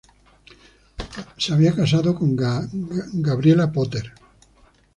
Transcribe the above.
Había casado con Gabriela Potter.